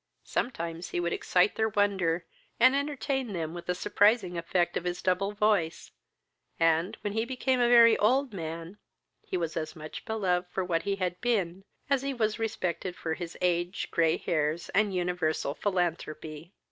Sometimes he would excite their wonder, and entertain them with the surprising effect of his double voice; and, when he became a very old man, he was as much beloved for what he had been, as he was respected for his age, grey hairs, and universal philanthropy.